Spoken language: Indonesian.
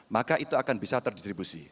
maka itu akan bisa terdistribusi